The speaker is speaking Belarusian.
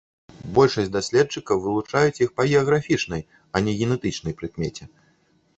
Большасць даследчыкаў вылучаюць іх па геаграфічнай, а не генетычнай прыкмеце.